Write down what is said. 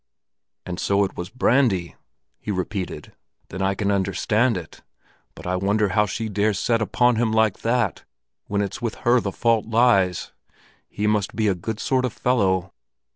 "And so it was brandy!" he repeated. "Then I can understand it. But I wonder how she dares set upon him like that when it's with her the fault lies. He must be a good sort of fellow."